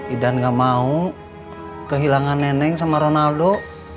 idan gak mau kehilangan neneng sama ronaldo